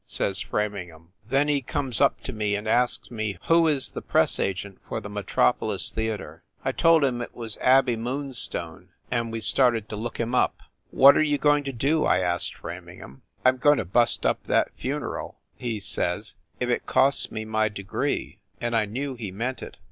says Framing ham. Then he comes up to me and asks me who is the press agent for the Metropolis Theater. I told him it was Abey Moonstone, and we started to look him up. 250 FIND THE WOMAN "What are you going to do?" I asked Framing* ham. "I m going to bust up that funeral," he says, "if it costs me my degree !" And I knew he meant it.